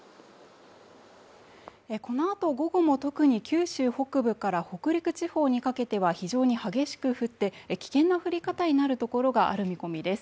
このあと午後も特に九州北部から北陸地方にかけては非常に激しく降って危険な降り方になるところがある見込みです。